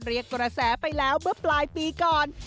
เรียกกระแสไปแล้วเมื่อปลายปีก่อน